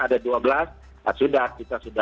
ada dua belas sudah kita sudah pulangkan mereka